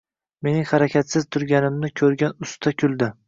Mening harakatsiz turganimni koʻrgan usta kuldi.